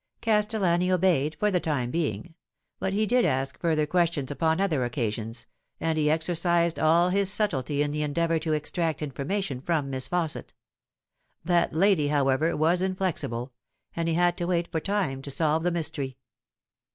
Castellani obeyed for the time being ; but he did ask further questions upon other occasions, and he exercised all his subtlety in the endeavour to extract information from Miss Fausset. That lady, however, was inflexible ; and he had to wait for time to solve the mystery.